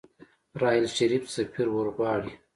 راحیل شريف سفير ورغواړي.